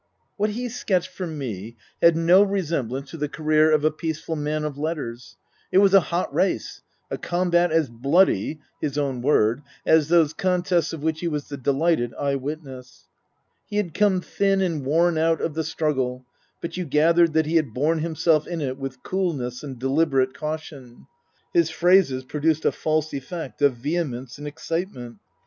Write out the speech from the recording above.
What he sketched for me had no resemblance to the career of a peaceful man of letters. It was a hot race, a combat as bloody (his own word) as those contests of which he was the delighted eye witness. He had come thin and worn out of the struggle, but you gath'ered that he had borne himself in it with coolness and deliberate caution. His phrases produced a false effect of vehemence and excitement.